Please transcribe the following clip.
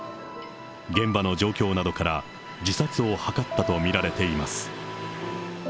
現場の状況などから、自殺を図ったと見られています。